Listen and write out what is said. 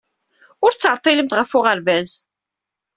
Ur ttɛeḍḍilemt ɣef uɣerbaz.